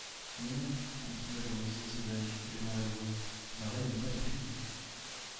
Mais non ! continua le rusé sauvage élevant la voix, la reine n'est pas ta fille.